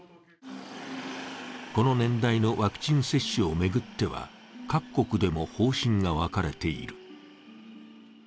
この年代のワクチン接種を巡っては、各国でも方針が分かれている。